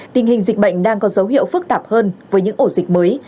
tình hình dịch bệnh đang có dấu hiệu phức tạp hơn với những ổ dịch mới